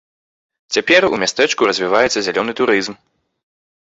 Цяпер у мястэчку развіваецца зялёны турызм.